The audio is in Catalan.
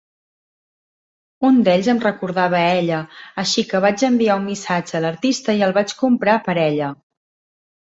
Un d'ells em recordava a ella, així que vaig enviar un missatge a l'artista i el vaig comprar per a ella.